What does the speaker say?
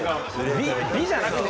美美じゃなくて？